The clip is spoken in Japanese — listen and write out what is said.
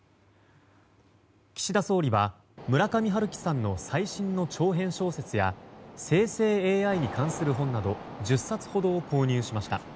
岸田総理は村上春樹さんの最新の長編小説や生成ＡＩに関する本など１０冊ほどを購入しました。